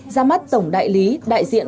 ra mắt tổng đại lý đại diện